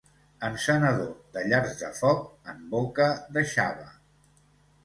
Encenedor de llars de foc en boca de xava.